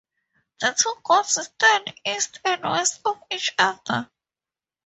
The two goals stand east and west of each other.